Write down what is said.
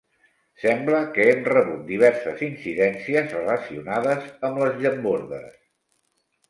Sembla que hem rebut diverses incidències relacionades amb les llambordes.